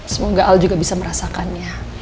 semoga al juga bisa merasakannya